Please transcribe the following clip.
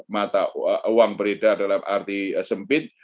mata uang beredar dalam arti sempit